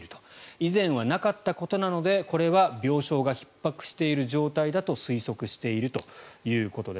以前はなかったことなのでこれは病床がひっ迫している状態だと推測しているということです。